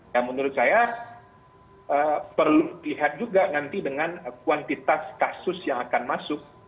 ya menurut saya perlu lihat juga nanti dengan kuantitas kasus yang akan masuk